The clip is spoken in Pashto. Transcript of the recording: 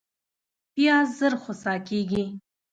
پیاز ژر خوسا کېږي